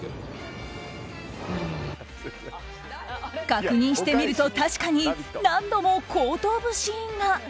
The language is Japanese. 確認してみると確かに何度も後頭部シーンが。